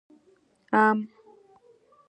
🥭 ام